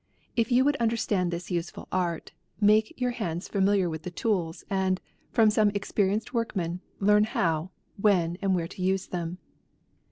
If you would understand this useful art, make your hands familiar with the tools, and, from some experienced workman, learn how, when, and where to use them.